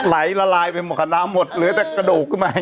ลายละลายไปหมดคาดน้ำหลืมกระดูก